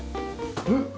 うん？